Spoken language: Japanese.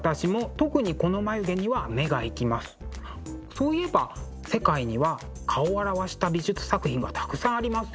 そういえば世界には顔を表した美術作品がたくさんありますよね。